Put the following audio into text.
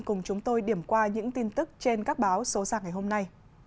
cùng chúng tôi điểm qua những tin tức trên các báo số ra ngày hôm nay